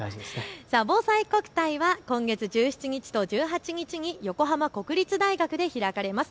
ぼうさいこくたいは今月１７日と１８日に横浜国立大学で開かれます。